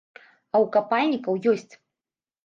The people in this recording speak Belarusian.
А ў капальнікаў ёсць.